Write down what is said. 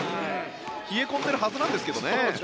冷え込んでるはずなんですけどね。